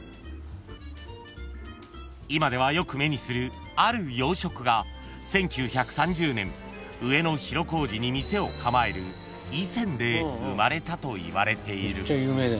今ではよく目にするある洋食が１９３０年上野広小路に店を構える井泉で生まれたといわれている］